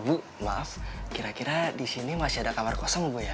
bu maaf kira kira di sini masih ada kamar kosong bu ya